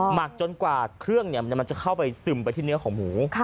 หมักจนกว่าเครื่องมันจะเข้าไปซึมไปที่เนื้อของหมู